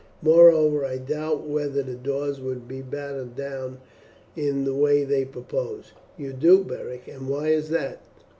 Moreover, I doubt whether the doors will be battered down in the way they propose." "You do, Beric! and why is that?"